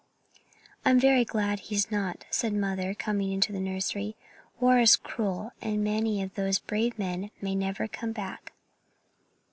"I'm very glad he's not," said Mother, coming into the nursery. "War is cruel, and many of those brave men may never come back."